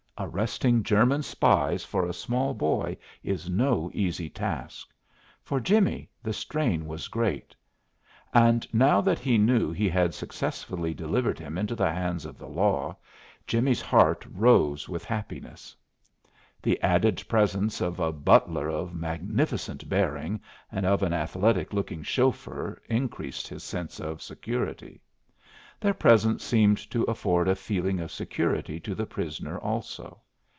Arresting German spies for a small boy is no easy task. For Jimmie the strain was great. And now that he knew he had successfully delivered him into the hands of the law, Jimmie's heart rose with happiness. The added presence of a butler of magnificent bearing and of an athletic looking chauffeur increased his sense of security. Their presence seemed to afford a feeling of security to the prisoner also.